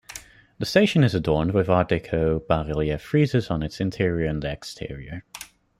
The station is adorned with art deco bas-relief friezes on its interior and exterior.